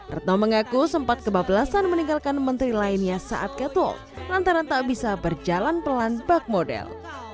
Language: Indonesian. retno mengaku sempat kebablasan meninggalkan menteri lainnya saat ketul lantaran tak bisa berjalan pelan bak model